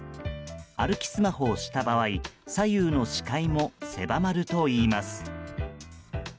歩きスマホをした場合左右の視界も狭まるといいます。